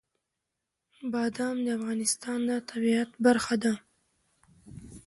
بادام د افغانستان د طبیعت برخه ده.